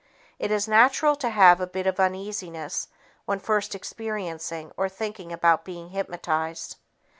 It is natural to have a bit of uneasiness when first experiencing or thinking about being hypnotized.